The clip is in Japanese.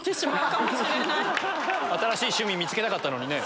新しい趣味見つけたかったのに。